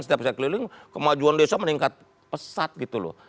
setiap saya keliling kemajuan desa meningkat pesat gitu loh